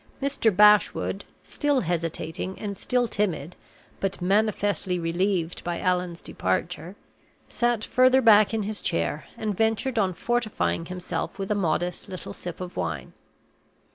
Mr. Bashwood still hesitating and still timid, but manifestly relieved by Allan's departure sat further back in his chair, and ventured on fortifying himself with a modest little sip of wine.